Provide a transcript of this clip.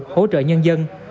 hỗ trợ nhân dân